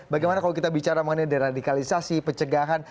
bagaimana kalau kita bicara mengenai deradikalisasi pencegahan